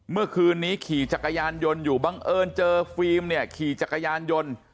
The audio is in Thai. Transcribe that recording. เมื่อคืนนี้ขี่จักรยานยนต์อยู่บังเอิญเจอฟิล์มเนี่ยขี่จักรยานยนต์